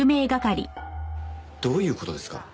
どういう事ですか？